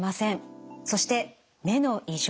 そして目の異常。